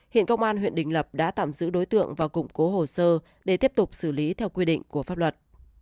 hiện công an huyện đình lập đã tạm giữ đối tượng và củng cố hồ sơ để tiếp tục xử lý theo quy định của pháp luật